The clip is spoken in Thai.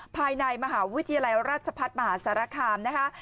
ภายในมหาวิทยาลัยราชพัฒน์มหาสารคามนะคะ